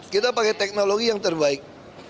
kita pakai teknologi yang terbaik